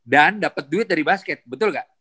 dan dapet duit dari basket betul gak